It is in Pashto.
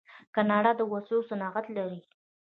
کاناډا د وسلو صنعت لري.